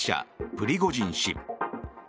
プリゴジン氏。